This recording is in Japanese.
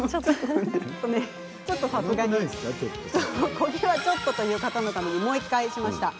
焦げはちょっとという方のためもう１回しました。